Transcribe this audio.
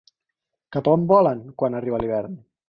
Cap a on volen quan arriba l'hivern?